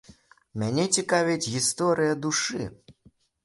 Мяне цікавіць гісторыя душы.